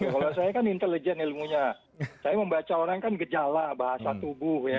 kalau saya kan intelijen ilmunya saya membaca orang kan gejala bahasa tubuh ya